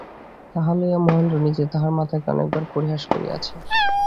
তাহা লইয়া মহেন্দ্র নিজে তাহার মাতাকে অনেকবার পরিহাস করিয়াছে।